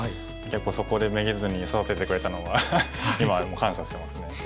そこでめげずに育ててくれたのは今でも感謝してますね。